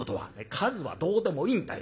数はどうでもいいんだよ。